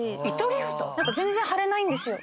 全然腫れないんですよ。